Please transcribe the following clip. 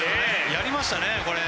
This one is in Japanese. やりましたねこれ！